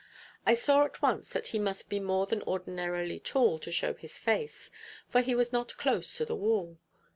I saw at once that he must be more than ordinarily tall to show his face, for he was not close to the wall.